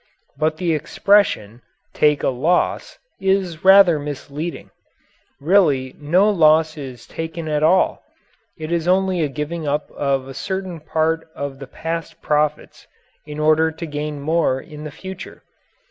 But the expression, "take a loss," is rather misleading. Really no loss is taken at all. It is only a giving up of a certain part of the past profits in order to gain more in the future.